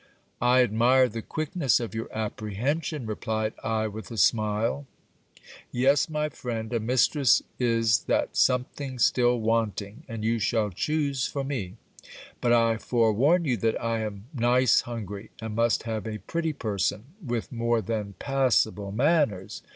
I admire the quickness of your apprehension, replied I with a smile. GIL BLAS INTRODUCED TO CATALIXA. 301 Yes, my friend, a mistress is that something still wanting ; and you shall choose for me. But I forewarn you that I am nice hungry, and must have a pretty person, with more than passable manners.